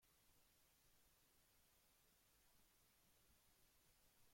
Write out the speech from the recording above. Esto suele ir seguido por un ritual de sangre.